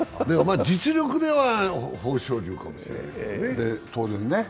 実力では豊昇龍かもしれないね、当然ね。